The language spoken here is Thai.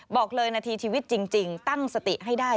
บอกเลยนาทีชีวิตจริงตั้งสติให้ได้